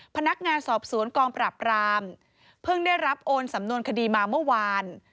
พนักงานสอบสวนกองปราบรามเพิ่งได้รับโอนสำนวนคดีมาเมื่อวาน